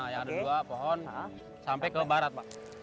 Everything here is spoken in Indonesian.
yang ada dua pohon sampai ke barat pak